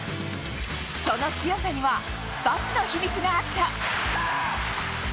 その強さには２つの秘密があった。